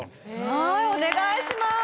はいお願いします